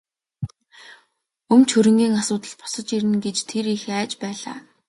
Өмч хөрөнгийн асуудал босож ирнэ гэж тэр их айж байлаа.